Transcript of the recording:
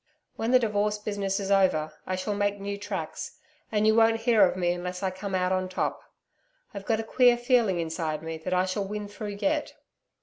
When the divorce business is over, I shall make new tracks, and you won't hear of me unless I come out on top. I've got a queer feeling inside me that I shall win through yet.